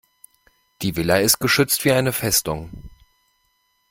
Die Villa ist geschützt wie eine Festung.